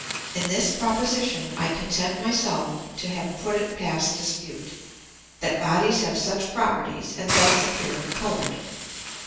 In this Proposition I content my self to have put it past dispute, that Bodies have such Properties, and thence appear colour'd.